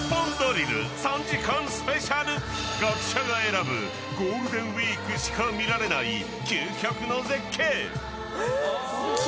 学者が選ぶゴールデンウィークしか見られない究極の絶景。